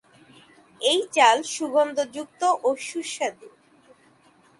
এই চাল সুগন্ধযুক্ত ও সুস্বাদু।